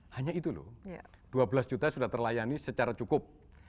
hanya itu loh dua belas juta sudah terlayani secara cukup